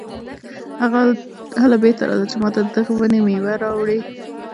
هله بېرته راځه چې ماته د دغې ونې مېوه راوړې.